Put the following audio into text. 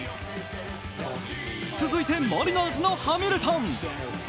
続いてマリナーズのハミルトン。